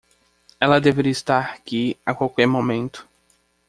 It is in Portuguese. Ela deveria estar aqui a qualquer momento.